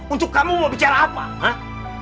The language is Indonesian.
untuk kamu mau bicara apa ah